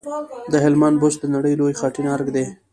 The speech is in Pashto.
د هلمند بست د نړۍ لوی خټین ارک دی